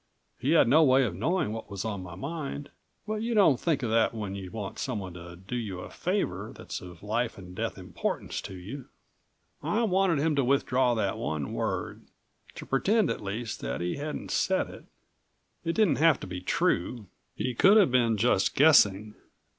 He had no way of knowing what was in my mind, but you don't think of that when you want someone to do you a favor that's of life and death importance to you. I wanted him to withdraw that one word, to pretend at least that he hadn't said it. It didn't have to be true, he could have been just guessing.